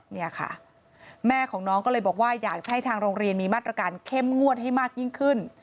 เนี่ยค่ะแม่ของน้องก็เลยบอกว่าอยากจะให้ทางโรงเรียนมีมาตรการเข้มงวดให้มากยิ่งขึ้น